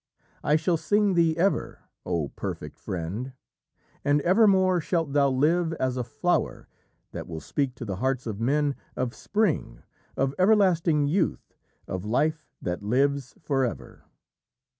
I shall sing thee ever oh perfect friend! And evermore shalt thou live as a flower that will speak to the hearts of men of spring, of everlasting youth of life that lives forever."